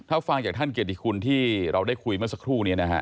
ถ้าฟังจากท่านเกียรติคุณที่เราได้คุยเมื่อสักครู่นี้นะฮะ